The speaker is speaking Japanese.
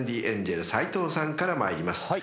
エンジェル斎藤さんから参ります］